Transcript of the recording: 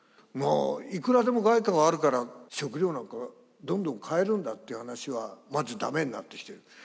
もういくらでも外貨があるから食料なんかがどんどん買えるんだっていう話はまず駄目になってきてる。